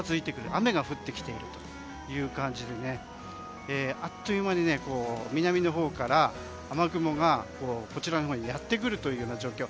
雨が降ってきているという感じであっという間に、南のほうから雨雲がこちらのほうにやってくるという状況。